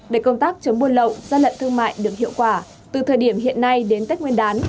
để công tác chống buôn lậu gian lận thương mại được hiệu quả từ thời điểm hiện nay đến tết nguyên đán